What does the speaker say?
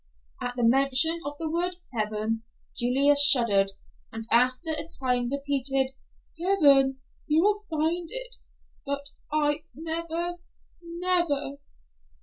At the mention of the word "heaven," Julia shuddered, and after a time repeated, "Heaven! You will find it, but I—never—never!"